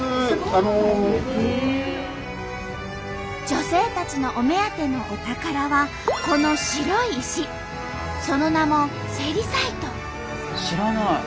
女性たちのお目当てのお宝はこの白い石その名も知らない。